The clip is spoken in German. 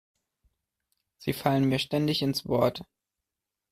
Sie fallen mir ständig ins Wort.